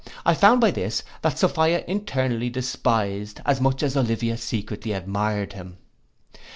I found by this, that Sophia internally despised, as much as Olivia secretly admired him.